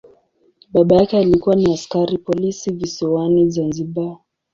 Baba yake alikuwa ni askari polisi visiwani Zanzibar.